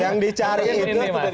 yang dicari itu